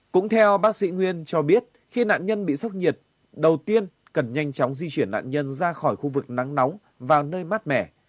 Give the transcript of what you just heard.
cũng theo bác sĩ nguyên cho biết khi nạn nhân bị sốc nhiệt đầu tiên cần nhanh chóng di chuyển nạn nhân ra khỏi khu vực nắng nóng vào nơi mát mẻ